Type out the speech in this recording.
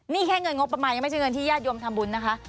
นี่แค่เงินงบประมาณยังไม่ใช่เงินที่ญาติโยมทำบุญนะคะ